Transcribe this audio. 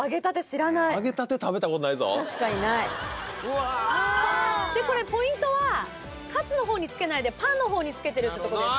知らない確かにないこれポイントはカツのほうに付けないでパンのほうに付けてるってとこです